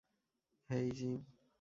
হেই, gym!